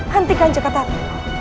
hentikan cekat tarno